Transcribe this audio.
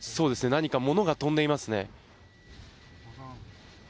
物が飛んでいますね。